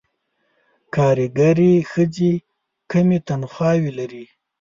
کارګرې ښځې کمې تنخواوې لري.